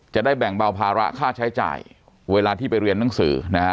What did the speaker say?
จะได้แบ่งเบาภาระค่าใช้จ่ายเวลาที่ไปเรียนหนังสือนะฮะ